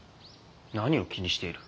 何を気にしている？